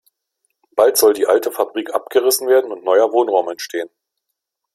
Bald soll die alte Fabrik abgerissen werden und neuer Wohnraum entstehen.